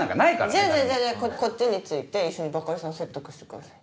じゃあじゃあじゃあこっちについて一緒にバカリさん説得してくださいよ。